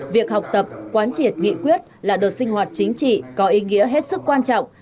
việc học tập quán triệt nghị quyết là đợt sinh hoạt chính trị có ý nghĩa hết sức quan trọng